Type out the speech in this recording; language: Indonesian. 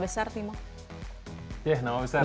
tadi kita lihat beberapa nama besar timo